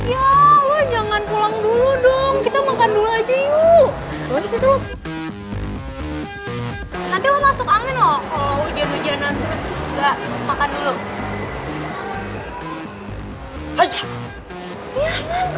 ya lo jangan pulang dulu dong kita makan dulu aja yuk